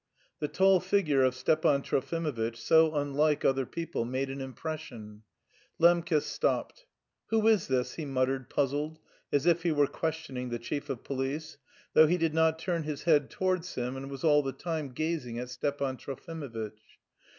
The tall figure of Stepan Trofimovitch, so unlike other people, made an impression. Lembke stopped. "Who is this?" he muttered, puzzled, as if he were questioning the chief of police, though he did not turn his head towards him, and was all the time gazing at Stepan Trofimovitch.